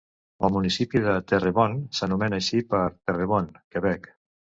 El municipi de Terrebonne s'anomena així per Terrebonne, Quebec.